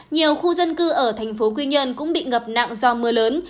nhiều khu dân cư ở thành phố quy nhơn cũng bị ngập nặng do mưa lớn